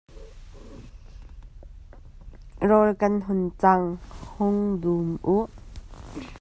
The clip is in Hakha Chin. Rawl kan hun cang, hung dum uh.